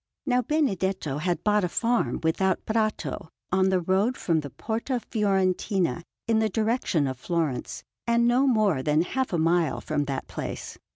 Now Benedetto had bought a farm without Prato, on the road from the Porta Fiorentina in the direction of Florence, and no more than half a mile from that place.